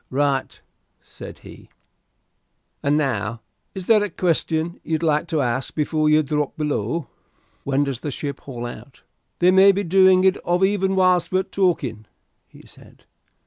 "Right," said he. "And now, is there e'er a question you'd like to ask before you drop below?" "When does the ship haul out?" "They may be doing of it even whilst we're talking," he said.